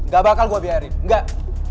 gak bakal gue biarin enggak